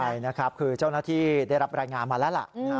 ใช่นะครับคือเจ้าหน้าที่ได้รับรายงานมาแล้วล่ะ